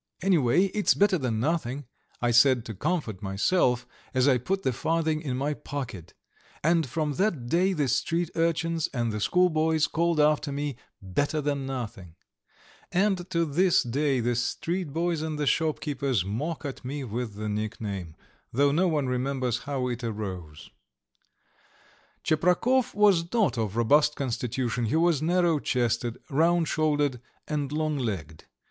"Anyway, it's better than nothing," I said to comfort myself, as I put the farthing in my pocket, and from that day the street urchins and the schoolboys called after me: "Better than nothing"; and to this day the street boys and the shopkeepers mock at me with the nickname, though no one remembers how it arose. Tcheprakov was not of robust constitution: he was narrow chested, round shouldered, and long legged.